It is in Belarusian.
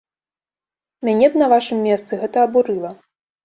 Мяне б на вашым месцы гэта абурыла.